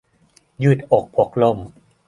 ยืดอกพกร่ม